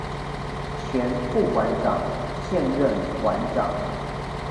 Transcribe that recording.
前副館長、現任館長